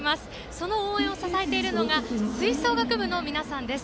その応援を支えているのが吹奏楽部の皆さんです。